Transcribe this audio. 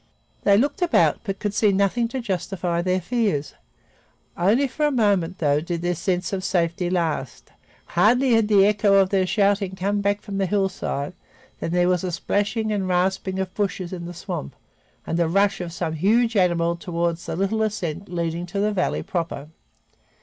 They looked about, but could see nothing to justify their fears. Only for a moment, though, did their sense of safety last; hardly had the echo of their shouting come back from the hillside than there was a splashing and rasping of bushes in the swamp and the rush of some huge animal toward the little ascent leading to the valley proper.